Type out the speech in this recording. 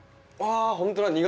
ああほんとだ。